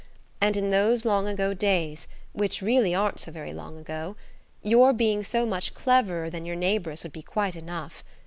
And in those long ago days–which really aren't so very long ago–your being so much cleverer than your neighbours would be quite enough.